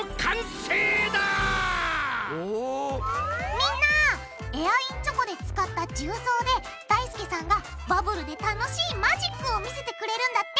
みんなエアインチョコで使った重曹でだいすけさんがバブルで楽しいマジックを見せてくれるんだって。